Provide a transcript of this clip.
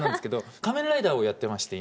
仮面ライダーをやってまして今。